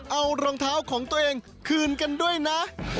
เอารองเท้าของตัวเองคืนกันด้วยนะ